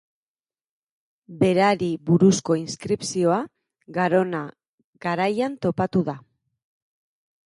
Berari buruzko inskripzioa Garona Garaian topatu da.